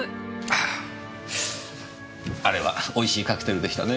あああれは美味しいカクテルでしたねぇ。